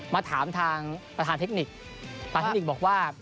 มาถามทางประธานเทคนิคประธานเทคนิคบอกว่า